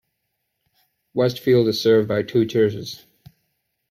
Westfield is served by two churches.